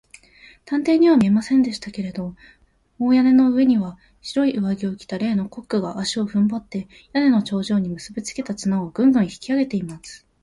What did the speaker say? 探偵には見えませんでしたけれど、大屋根の上には、白い上着を着た例のコックが、足をふんばって、屋根の頂上にむすびつけた綱を、グングンと引きあげています。